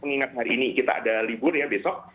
mengingat hari ini kita ada libur ya besok